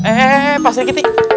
hei pak sri giti